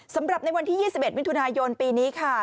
สำหรับในวันที่๒๑มิถุนายนปีนี้ค่ะ